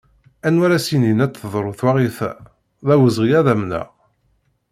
Anwa ara as-yinin ad teḍru twaɣit-a, d awezɣi ad amneɣ.